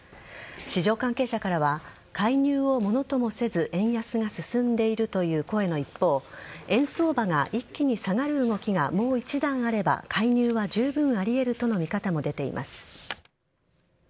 市場関係者からは介入をものともせず円安が進んでいるという声の一方円相場が一気に下がる動きがもう一段あれば介入はじゅうぶんあり得るとの見方も出ています。